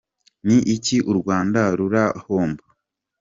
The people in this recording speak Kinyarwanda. Ni iki u Rwanda rurahomba ?